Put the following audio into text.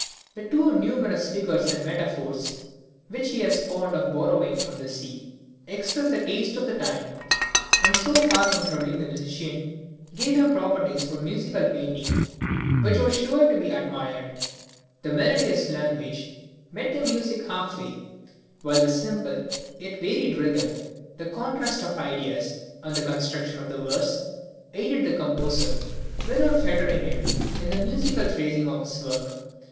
The too numerous figures and metaphors (which he was fond of borrowing from the sea) express the taste of the time, and so far from troubling the musician, gave him opportunities for musical painting which was sure to be admired. The melodious language met the music half way, while the simple yet varied rhythm, the contrast of ideas, and the construction of the verse, aided the composer, without fettering him, in the musical phrasing of his work.